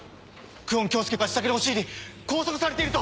久遠京介が自宅に押し入り拘束されていると！